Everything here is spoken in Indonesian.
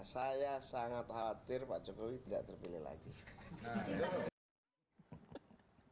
saya sangat khawatir pak jokowi tidak terpilih lagi